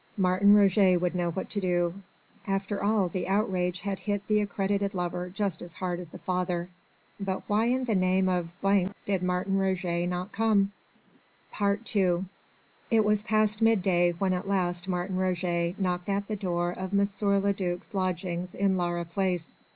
Martin Roget would know what to do. After all, the outrage had hit the accredited lover just as hard as the father. But why in the name of did Martin Roget not come? II It was past midday when at last Martin Roget knocked at the door of M. le duc's lodgings in Laura Place.